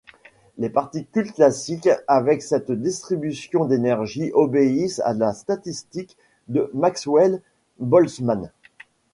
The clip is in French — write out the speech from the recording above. Les particules classiques avec cette distribution d'énergie obéissent à la statistique de Maxwell-Boltzmann.